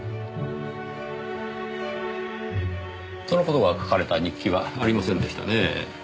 その事が書かれた日記はありませんでしたねぇ。